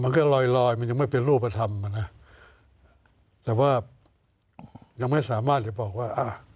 ลอยลอยมันยังไม่เป็นรูปธรรมอ่ะนะแต่ว่ายังไม่สามารถจะบอกว่าอ่ะ